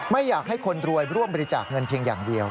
ไม่อยากให้คนรวยร่วมบริจาคเงินเพียงอย่างเดียว